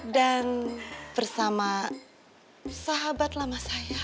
dan bersama sahabat lama saya